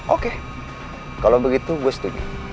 oke kalau begitu gue setuju